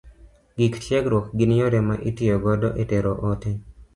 Gik tiegruok gin yore ma itiyo godo e tero ote.